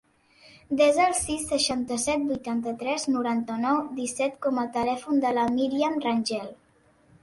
Desa el sis, seixanta-set, vuitanta-tres, noranta-nou, disset com a telèfon de la Míriam Rangel.